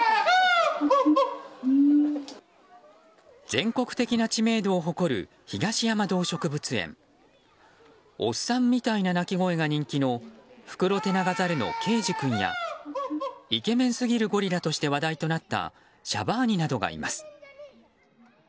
全国的な知名度を誇る東山動植物園。おっさんみたいな鳴き声が人気のフクロテナガザルのケイジ君やイケメンすぎるゴリラとして話題となったシャバーニなどがいます。